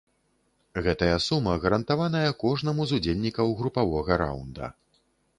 Гэтая сума гарантаваная кожнаму з удзельнікаў групавога раўнда.